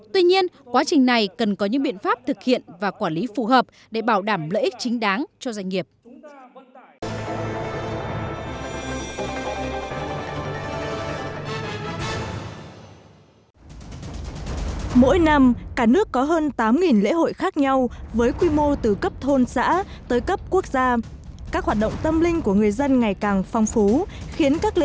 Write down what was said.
tuy nhiên quá trình này cần có những biện pháp thực hiện và quản lý phù hợp để bảo đảm lợi ích chính đáng cho doanh nghiệp